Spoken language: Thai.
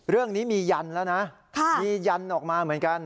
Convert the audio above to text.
เรื่องนี้มียันแล้วนะมียันออกมาเหมือนกัน